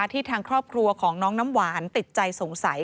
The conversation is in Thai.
ทางครอบครัวของน้องน้ำหวานติดใจสงสัย